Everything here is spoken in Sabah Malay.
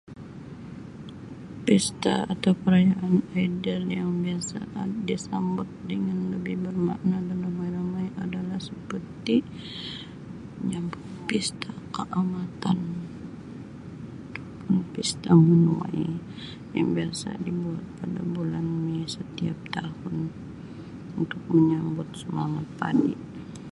Pesta atau perayaan ideal yang biasa disambut dengan lebih bermakna dan beramai-ramai adalah seperti menyambut pesta kaamatan ataupun pesta menuai yang biasa dibuat pada bulan mei setiap tahun untuk menyambut semangat padi.